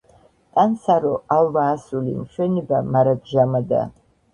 ტანსარო, ალვა ასული, მშვენება მარად ჟამადა